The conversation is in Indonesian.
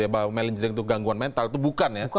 bahwa manajer itu gangguan mental itu bukan ya